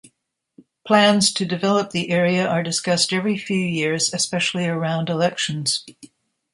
Plans to develop the area are discussed every few years, especially around elections.